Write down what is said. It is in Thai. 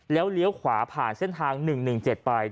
แล้วเลี้ยวขวาผ่านเส้นทาง๑๑๗ไป